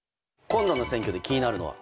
今度の選挙で気になるのは？